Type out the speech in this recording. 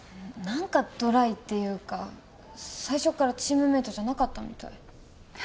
なんかドライっていうか最初からチームメートじゃなかったみたい。